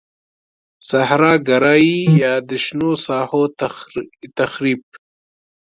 صحرا ګرایی یا د شنو ساحو تخریب.